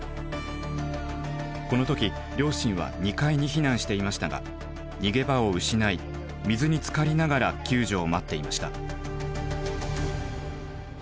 この時両親は２階に避難していましたが逃げ場を失い水につかりながら救助を待っていました。